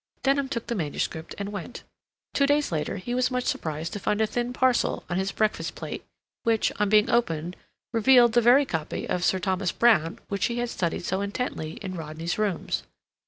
Denham took the manuscript and went. Two days later he was much surprised to find a thin parcel on his breakfast plate, which, on being opened, revealed the very copy of Sir Thomas Browne which he had studied so intently in Rodney's rooms.